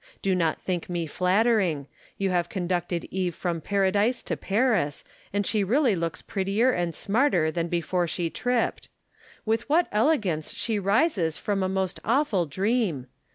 Do not think me flattering. You have conducted Eve from Paradise to Paris, and she really looks prettier and smarter than before she tripped. With what elegance slie rises from a most awful dream